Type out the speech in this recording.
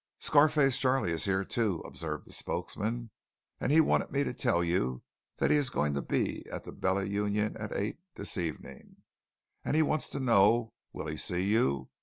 "Scar face Charley is here, too," observed the spokesman, "and he wanted me to tell you that he is going to be at the Bella Union at eight this evenin', and he wants to know, will he see you?